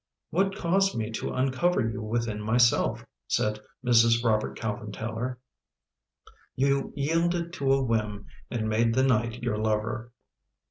" What caused me to uncover you within myself? " said Mrs. Robert Calvin Taylor. " You yielded to a whim and made the night your lover.